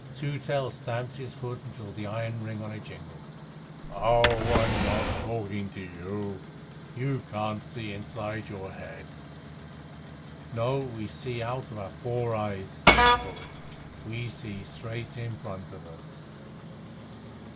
Two Tails stamped his foot till the iron ring on it jingled. "Oh, I'm not talking to you. You can't see inside your heads." "No. We see out of our four eyes," said the bullocks. "We see straight in front of us."